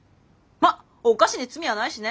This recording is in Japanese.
まっお菓子に罪はないしね。